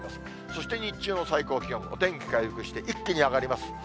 そして、日中の最高気温、お天気回復して一気に上がります。